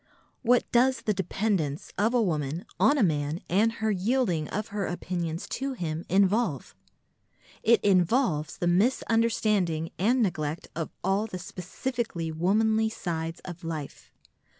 What does the dependence of a woman on a man and her yielding of her opinions to him involve? It involves the misunderstanding and neglect of all the specifically womanly sides of life.